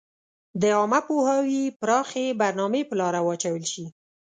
د عامه پوهاوي پراخي برنامي په لاره واچول شي.